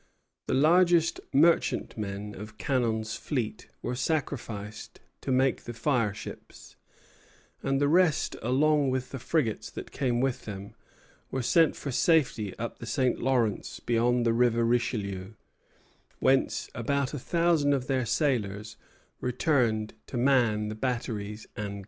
The largest merchantmen of Kanon's fleet were sacrificed to make the fireships; and the rest, along with the frigates that came with them, were sent for safety up the St. Lawrence beyond the River Richelieu, whence about a thousand of their sailors returned to man the batteries and gunboats.